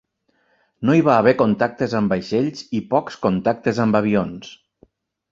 No hi va haver contactes amb vaixells i pocs contactes amb avions.